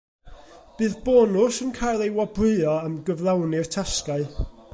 Bydd bonws yn cael ei wobrwyo am gyflawni'r tasgau.